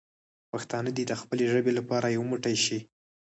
پښتانه دې د خپلې ژبې لپاره یو موټی شي.